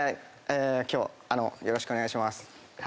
ええ今日よろしくお願いします。